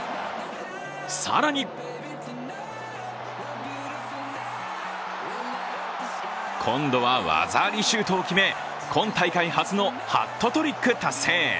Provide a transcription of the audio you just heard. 更に今度は技ありシュートを決め今大会初のハットトリック達成。